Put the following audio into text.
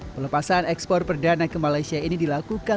pelepasan ekspor perdana ke malaysia ini dilakukan